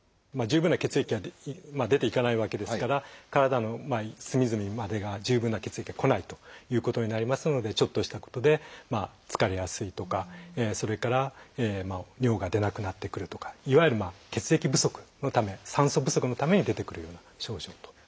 十分な血液が出ていかないわけですから体の隅々までが十分な血液が来ないということになりますのでちょっとしたことで疲れやすいとかそれから尿が出なくなってくるとかいわゆる血液不足のため酸素不足のために出てくるような症状と。